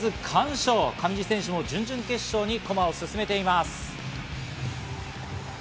上地選手も準々決勝に駒を進めています。